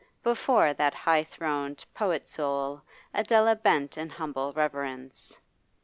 Before that high throned poet soul Adela bent in humble reverence.